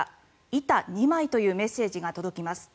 板２枚というメッセージが届きます。